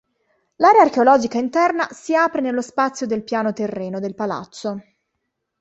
L'area archeologica interna si apre nello spazio del piano terreno del palazzo.